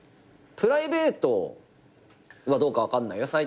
プライベートはどうか分かんないよ。